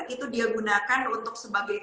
itu dia gunakan untuk sebagai